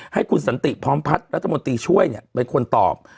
ให้คุณสันติพร้อมพัฒน์รัฐมนตรีช่วยเป็นคนตอบ